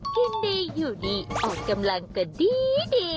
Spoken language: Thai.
กินดีอยู่ดีอ่อนกำลังก็ดี